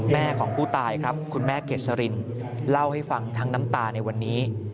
แม่ของผู้ตายครับคุณแม่เกษรินเล่าให้ฟังทั้งน้ำตาในวันนี้